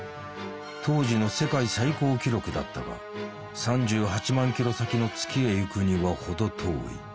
当時の世界最高記録だったが３８万キロ先の月へ行くには程遠い。